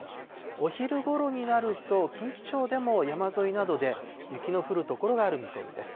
お昼ごろになると、近畿地方でも山沿いなどで雪の降る所がある見込みです。